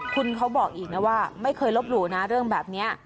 คุณเขาบอกอีกนะว่าไม่เคยลบหลู่นะเรื่องแบบนี้